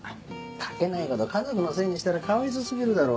描けないことを家族のせいにしたらかわいそ過ぎるだろ。